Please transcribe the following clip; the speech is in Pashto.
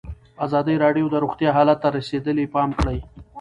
ازادي راډیو د روغتیا حالت ته رسېدلي پام کړی.